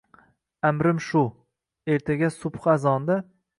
Amrim shu: ertaga subhi azonda